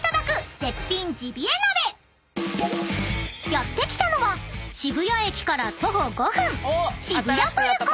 ［やって来たのは渋谷駅から徒歩５分］